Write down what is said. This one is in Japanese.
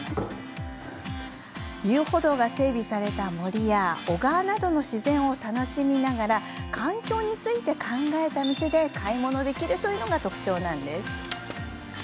遊歩道が整備された森や小川などの自然を楽しみながら環境について考えた店で買い物できるのが特徴です。